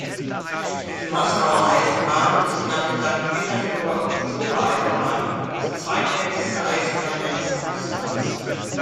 Die Moskauer Eisenbahn ist nach der Sankt Petersburger Oktober-Eisenbahn das zweitälteste Eisenbahnnetz Russlands.